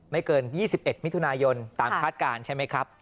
ไม่เกิน๒๑มิถุนายนตามคาดการณ์ใช่ไหมครับ